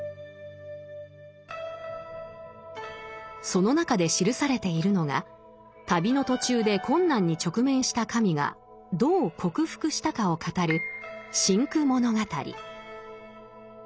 その中で記されているのが旅の途中で困難に直面した神がどう克服したかを語る「辛苦物語」。